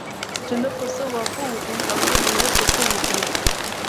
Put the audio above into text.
چې نه پسه واښه وخوري او نه لېوه پسه وخوري.